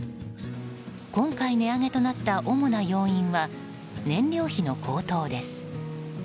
今回、値上げとなった主な要因は燃料費の高騰です。